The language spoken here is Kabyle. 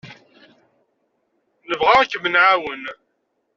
Nebɣa ad kem-nɛawen.